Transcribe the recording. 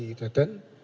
dan bapak dr haji iteten